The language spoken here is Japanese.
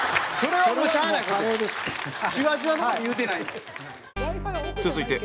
はい。